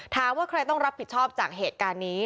ถามว่าใครต้องรับผิดชอบจากเหตุการณ์นี้